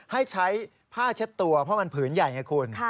ให้ใช้ผ้าเช็ดตัวเพราะมันผืนใหญ่ไงคุณ